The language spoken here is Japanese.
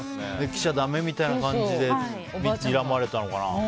来ちゃだめみたいな感じでにらまれたのかな。